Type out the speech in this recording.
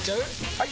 ・はい！